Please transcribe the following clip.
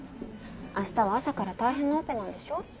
明日は朝から大変なオペなんでしょ？